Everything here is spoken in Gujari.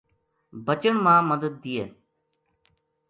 بچن ما مدد دیئے